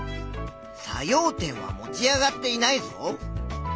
作用点は持ち上がっていないぞ。